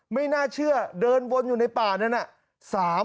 ไม่น่าเชื่อเดินวนอยู่ในป่านั้นน่ะ